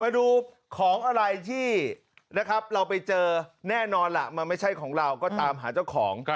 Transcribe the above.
มาดูของอะไรที่นะครับเราไปเจอแน่นอนล่ะมันไม่ใช่ของเราก็ตามหาเจ้าของ